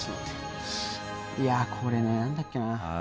いやこれね何だっけな。